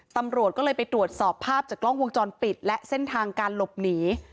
ตำรวจก็เลยไปตรวจสอบภาพจากกล้องวงจรปิดและเส้นทางการหลบหนี